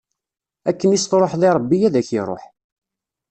Akken i s-tṛuḥeḍ i Ṛebbi, ad ak-iṛuḥ.